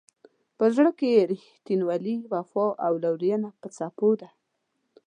په زړه کې یې رښتینولي، وفا او لورینه په څپو ده.